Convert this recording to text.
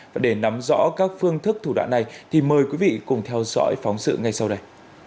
và để nắm rõ các phương thức thủ đoạn này thì mời quý vị cùng theo dõi phóng sự ngay sau đây